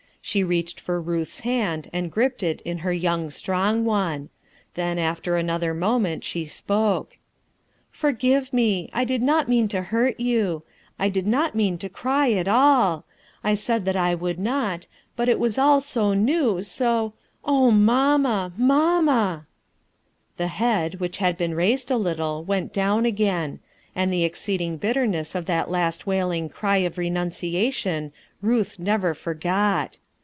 She reached for Huth's hand and gripped it in her young, strong one. Then, after another moment, she spoke: — "Forgive me. I did not mean to hurt you; I did not mean to cry at all; I said that I would s 3S0 RUTH ERSKIXES SOX not; but it was all so ne ^ n mamma V nQan The head, which had feeu raL%d a .., *ent down again; and the exceed^ biu«l ' of that te wailing „, of renunc ^^ never forgot.